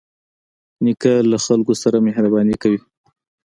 نیکه له خلکو سره مهرباني کوي.